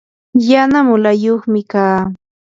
yana mulayuqmi kaa.